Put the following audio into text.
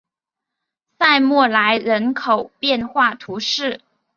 塞默莱人口变化图示